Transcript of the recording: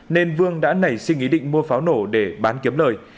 nên vương đã nảy suy nghĩ định mua pháo nổ để bán kiếm lời